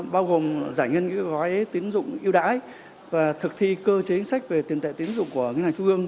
bao gồm giải ngân gói tín dụng ưu đải và thực thi cơ chế chính sách về tiền tệ tín dụng của ngân hàng chung gương